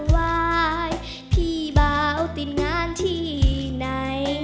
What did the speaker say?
อยากลาสั่งวายพี่เบาติดงานที่ไหน